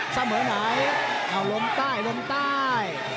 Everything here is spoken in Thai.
เสมอไหนเอาลมใต้ลมใต้